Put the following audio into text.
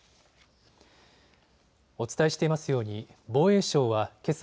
お伝えしていますように防衛省はけさ